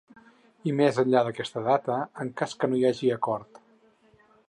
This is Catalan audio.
I més enllà d’aquesta data en cas que no hi hagi acord.